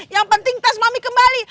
yang penting tas mami kembali